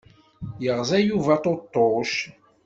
Yeɣza Yuba aṭuṭuc.